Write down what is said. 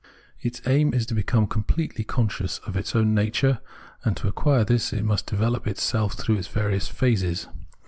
Its aim is to become completely conscious of its own nature ; and to acquire this it must develop itself through its various phases.